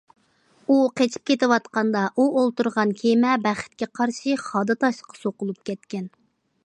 ئۇ قېچىپ كېتىۋاتقاندا، ئۇ ئولتۇرغان كېمە بەختكە قارشى خادا تاشقا سوقۇلۇپ كەتكەن.